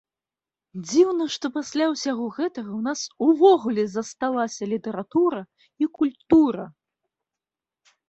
Дзіўна, што пасля ўсяго гэтага ў нас увогуле засталася літаратура і культура.